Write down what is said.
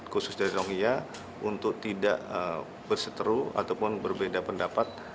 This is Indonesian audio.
khusus dari rohia untuk tidak berseteru ataupun berbeda pendapat